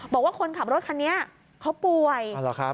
บอกว่าคนขับรถคันนี้เขาป่วย